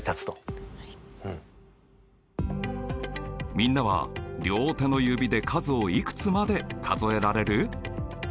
みんなは両手の指で数をいくつまで数えられる？